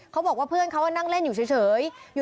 เขาบอกว่าเพื่อนเขานั่งเล่นอยู่เฉย